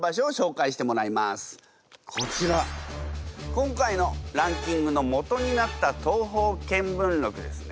今回のランキングのもとになった「東方見聞録」ですね。